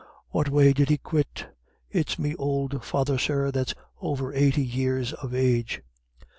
What way did he quit? It's me ould father, sir, that's over eighty years of age."